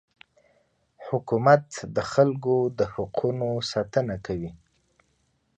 حکومت د خلکو د حقونو ساتنه کوي.